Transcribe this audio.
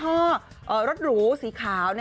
สายสกมกไม่อาบน้ำ